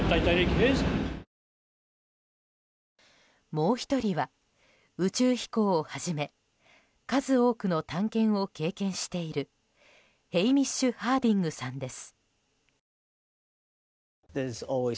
もう１人は宇宙飛行をはじめ数多くの探検を経験しているヘイミッシュ・ハーディングさんです。